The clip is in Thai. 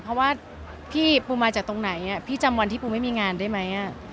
เพราะว่าพี่ปูมาจากตรงไหนพี่จำวันที่ปูไม่มีงานได้ไหม